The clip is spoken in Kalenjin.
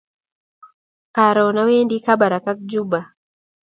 Karun awendi kabarak ak juba